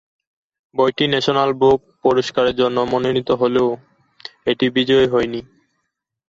বইটি national book পুরস্কারের জন্য মনোনীত হলেও এটি বিজয়ী হয়নি।